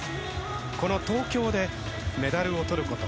この東京でメダルをとること。